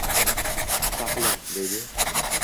«Saqla, —deydi, —